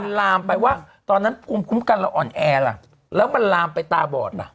มันลามไปว่าตอนนั้นภูมิคุ้มกันเราอ่อนแอล่ะแล้วมันลามไปตาบอดล่ะ